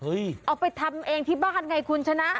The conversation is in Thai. เอาไปทำเองที่บ้านไงคุณชนะ